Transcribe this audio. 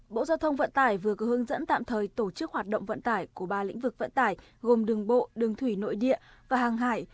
bộ giao thông vận tải vừa có hướng dẫn tạm thời tổ chức hoạt động vận tải của ba lĩnh vực vận tải gồm đường bộ đường thủy nội địa và hàng hải